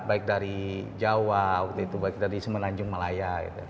baik dari jawa waktu itu baik dari semenanjung malaya